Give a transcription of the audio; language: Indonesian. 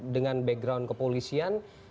dengan background kepolisian